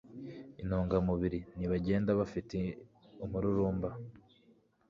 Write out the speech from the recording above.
intungamubiri, ntibagenda bafite umururumba